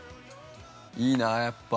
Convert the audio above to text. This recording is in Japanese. ◆いいなあ、やっぱ。